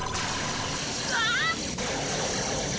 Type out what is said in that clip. うわあっ！